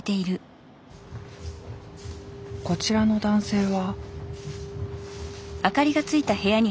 こちらの男性は？